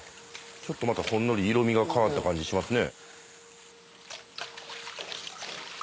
ちょっとまたほんのり色みが変わった感じしますね。